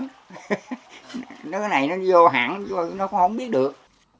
cái này nó vô hẳn nó cũng không biết được